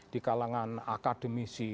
di kalangan akademisi